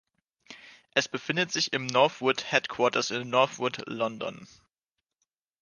Es befindet sich im Northwood Headquarters in Northwood, London.